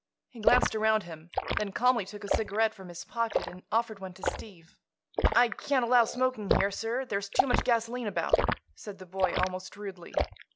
He glanced around him, then calmly took a cigarette from his pocket and offered one to Steve. "I can't allow smoking here, sir; there's too much gasoline about," said the boy, almost rudely.